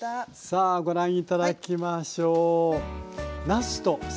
さあご覧頂きましょう。